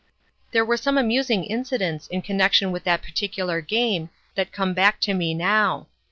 "There were some amusing incidents in connection with that particular game that come back to me now.